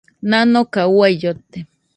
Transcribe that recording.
Nanoka uai llote.